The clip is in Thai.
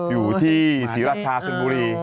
อยู่ที่ศรีรัชชาศึกบุรี